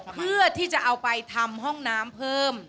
เพื่อที่จะเอาไปทำห้องน้ำเพิ่ม